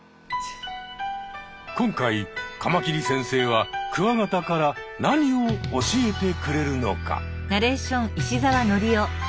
今回カマキリ先生はクワガタから何を教えてくれるのか？